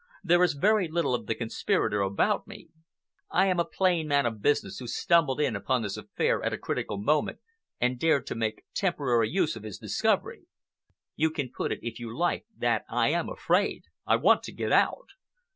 There is very little of the conspirator about me. I am a plain man of business who stumbled in upon this affair at a critical moment and dared to make temporary use of his discovery. You can put it, if you like, that I am afraid. I want to get out.